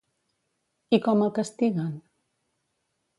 I com el castiguen?